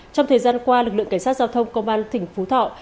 trong thời gian qua lực lượng cảnh sát giao thông công an tỉnh phú thọ